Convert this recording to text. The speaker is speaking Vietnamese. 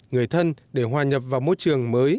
người thân để hoa nhập vào môi trường mới